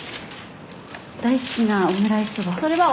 大好きなオムライスを。